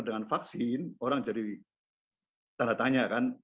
dengan vaksin orang jadi tanda tanya kan